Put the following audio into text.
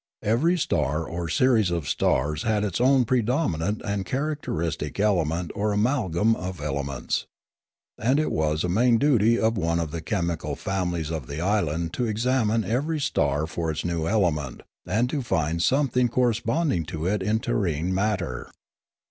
Every star or series of stars had its own predominant and characteristic element or amal gam of elements; and it was a main duty of one of the chemical families of the island to examine every star for its new element and to find something cor responding to it in terrene matter.